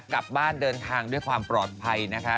กลับบ้านเดินทางด้วยความปลอดภัยนะคะ